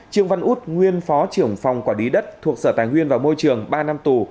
trương văn út nguyên phó trưởng phòng quản lý đất thuộc sở tài nguyên và môi trường ba năm tù